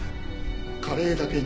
カレーだけに。